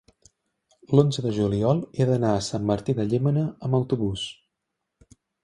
l'onze de juliol he d'anar a Sant Martí de Llémena amb autobús.